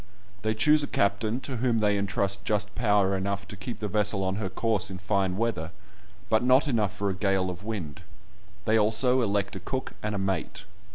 They choose a captain, to whom they entrust just power enough to keep the vessel on her course in fine weather, but not quite enough for a gale of wind; they also elect a cook and a mate.